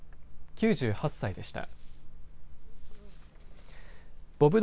９８歳でした。